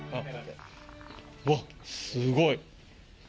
わっ、すごい。